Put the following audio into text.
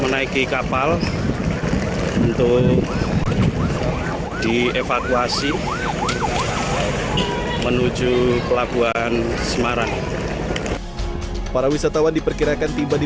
menaiki kapal untuk dievakuasi menuju pelabuhan semarang para wisatawan diperkirakan tiba di